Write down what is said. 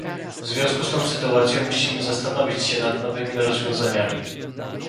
W związku z tą sytuacją musimy zastanowić się nad nowymi rozwiązaniami